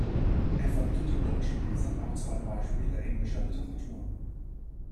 Er vermittelte deutschen Lesern auch zwei Beispiele englischer Literatur.